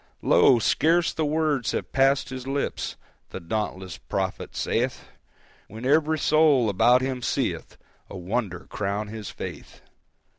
Lo! scarce the words have passed his lips The dauntless prophet say'th, When every soul about him seeth A wonder crown his faith!